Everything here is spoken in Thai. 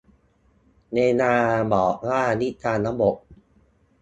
เวลาบอกว่าวิจารณ์ "ระบบ"